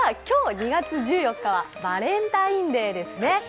今日２月１４日はバレンタインデーですね。